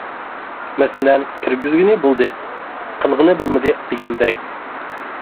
مەسىلەن: «كىرگۈزگىنى بولدى» ، «قىلغىنى بولمىدى» دېگەندەك.